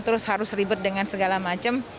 terus harus ribet dengan segala macam